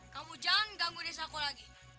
kamu jangan ganggu desaku lagi